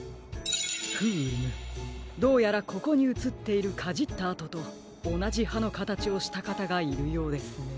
フームどうやらここにうつっているかじったあととおなじはのかたちをしたかたがいるようですね。